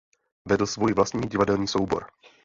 Vedl svůj vlastní divadelní soubor.